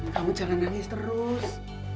kamu jangan nangis terus